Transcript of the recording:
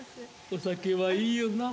お酒はいいよな。